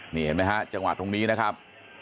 นี่เห็นไหมฮะจังหวะตรงนี้นะครับ